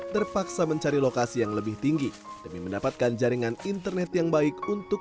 terpaksa mencari lokasi yang lebih tinggi demi mendapatkan jaringan internet yang baik untuk